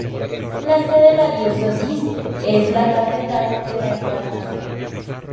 La sede de la Diócesis es la Catedral de la Encarnación.